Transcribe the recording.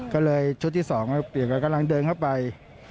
ก็เลยชุดที่สองเดี๋ยวกันกำลังเดินเข้าไป